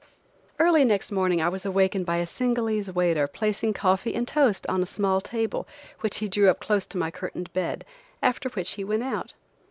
Early next morning I was awakened by a Singalese waiter placing coffee and toast on a small table which he drew up close to my curtained bed, after which he went out.